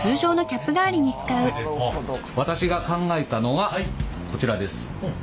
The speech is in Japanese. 私が考えたのはこちらです。